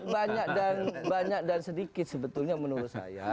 banyak banyak dan sedikit sebetulnya menurut saya